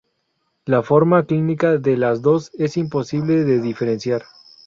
La forma clínica de las dos es imposible de diferenciar.